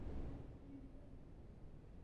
Al final, prevaleció la primera idea.